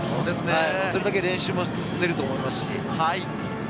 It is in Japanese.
それだけ練習を積んでいると思います。